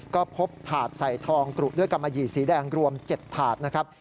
ก็พบถาดใส่ทองกรุด้วยกำมะหยี่สีแดงรวม๗ถาดนะครับ